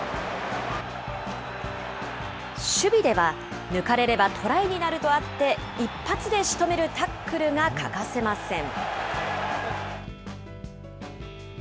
守備では抜かれればトライになるとあって、一発でしとめるタックルが欠かせません。